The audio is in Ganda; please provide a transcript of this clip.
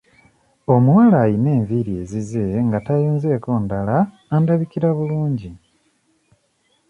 Omuwala ayina enviiri ezize nga tayunzeeko ndala andabikira bulungi.